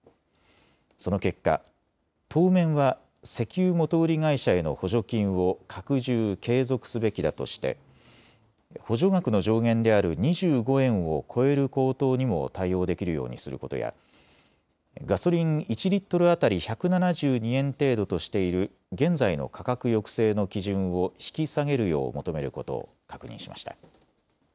その結果、当面は、石油元売り会社への補助金を拡充・継続すべきだとして補助額の上限である２５円を超える高騰にも対応できるようにすることやガソリン１リットル当たり１７２円程度としている現在の価格抑制の基準を引き下げるよう求めることを確認しました。